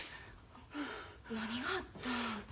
何があったん？